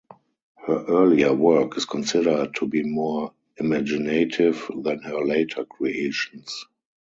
Her earlier work is considered to be more imaginative than her later creations.